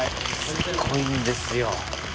すっごいんですよ。